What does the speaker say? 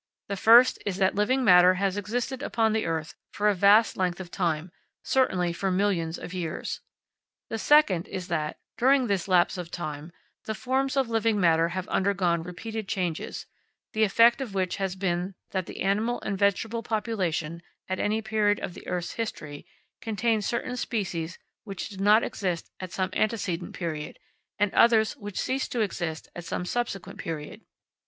The first is that living matter has existed upon the earth for a vast length of time, certainly for millions of years. The second is that, during this lapse of time, the forms of living matter have undergone repeated changes, the effect of which has been that the animal and vegetable population, at any period of the earth's history, contains certain species which did not exist at some antecedent period, and others which ceased to exist at some subsequent period.